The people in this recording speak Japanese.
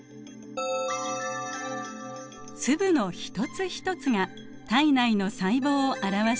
粒の一つ一つが体内の細胞を表しています。